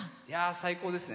最高ですね。